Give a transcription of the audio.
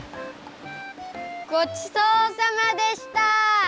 ごちそうさまでした！